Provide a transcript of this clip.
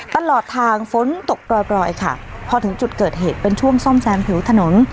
ตลอดทางฝนตกปล่อยค่ะพอถึงจุดเกิดเหตุเป็นช่วงซ่อมแซมผิวถนน